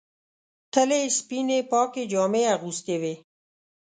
تل یې سپینې پاکې جامې اغوستې وې.